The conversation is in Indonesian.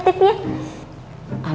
baik makannya saja